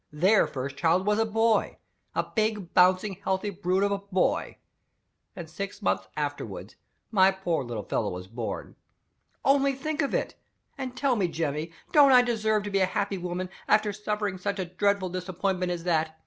Their first child was a boy a big, bouncing, healthy brute of a boy! And six months afterward, my poor little fellow was born. Only think of it! And tell me, Jemmy, don't I deserve to be a happy woman, after suffering such a dreadful disappointment as that?